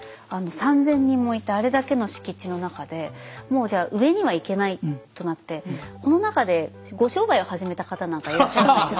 ３，０００人もいてあれだけの敷地の中でもうじゃあ上にはいけないとなってこの中でご商売を始めた方なんかいらっしゃらないんですか？